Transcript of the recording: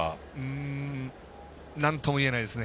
なんともいえないです。